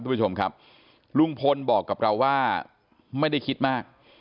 คุณผู้ชมครับลุงพลบอกกับเราว่าไม่ได้คิดมาก